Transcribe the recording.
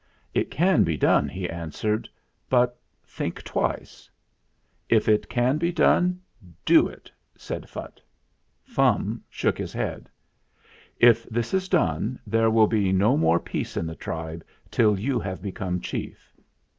"It can be done," he answered; "but think twice." "If it can be done, do it," said Phutt. Fum shook his head. "If this is done, there will be no more peace in the tribe till you have become chief."